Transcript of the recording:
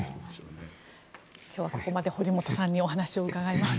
今日はここまで堀本さんにお話を伺いました。